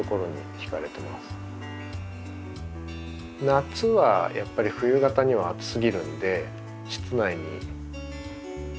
夏はやっぱり冬型には暑すぎるんで室内に取り込んであげて。